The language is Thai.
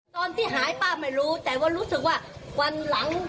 ตอนที่หายป้าไม่รู้แต่ว่ารู้สึกว่าวันหลัง